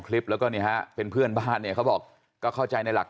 คลิปแล้วก็นี่ฮะเป็นเพื่อนบ้านเนี่ยเขาบอกก็เข้าใจในหลัก